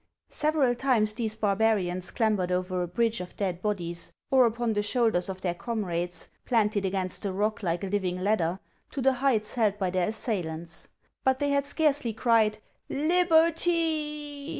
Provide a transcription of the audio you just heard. Several times these barbarians clambered over a bridge of dead bodies, or upon the shoulders of their comrades planted against the rock like a living ladder, to the heights held by their assailants ; but they had scarcely cried, " Liberty